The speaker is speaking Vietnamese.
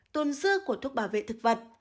tồn dư của thuốc bảo vệ thực vật